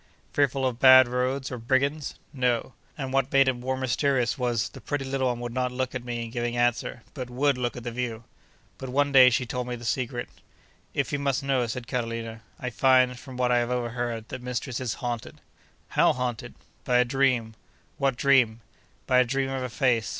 —Fearful of bad roads, or brigands?—No. And what made it more mysterious was, the pretty little one would not look at me in giving answer, but would look at the view. But, one day she told me the secret. 'If you must know,' said Carolina, 'I find, from what I have overheard, that mistress is haunted.' 'How haunted?' 'By a dream.' 'What dream?' 'By a dream of a face.